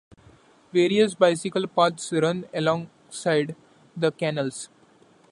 Various bicycle paths run alongside the canals.